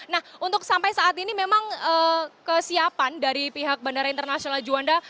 nah untuk sampai saat ini memang kesiapan dari pihak bandara internasional juanda